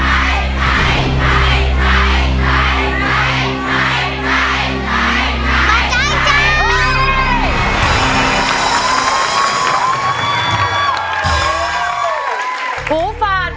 คุณยายแดงคะทำไมต้องซื้อลำโพงและเครื่องเสียง